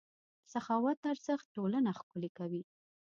د سخاوت ارزښت ټولنه ښکلې کوي.